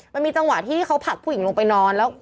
มันมีจังหวะที่เขาผลักผู้หญิงลงไปนอนแล้ว